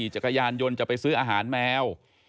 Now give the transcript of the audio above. จักรยานยนต์จะไปซื้ออาหารแมว